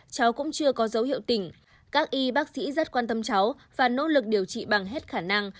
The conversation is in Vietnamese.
cháu cũng chưa có dấu hiệu tỉnh các y bác sĩ rất quan tâm cháu và nỗ lực điều trị bằng hết khả năng